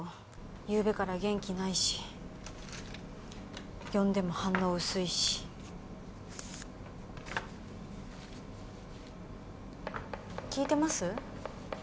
ゆうべから元気ないし呼んでも反応薄いし聞いてます？